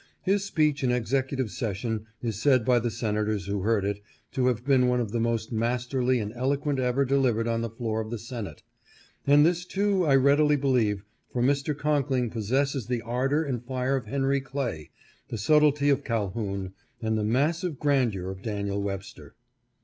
His speech in executive session is said by the senators who heard it, to have been one of the most masterly and eloquent ever delivered on the floor of the Senate; and this too I readily believe, for Mr. Conkling possesses the ardor and fire of Henry Clay, the subtlety of Calhoun, and the massive grandeur of Daniel Webster.